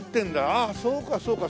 ああそうかそうか。